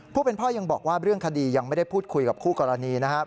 ผู้เป็นพ่อยังบอกว่าเรื่องคดียังไม่ได้พูดคุยกับคู่กรณีนะครับ